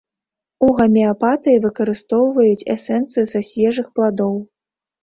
У гамеапатыі выкарыстоўваюць эсэнцыю са свежых пладоў.